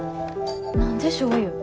何でしょうゆ？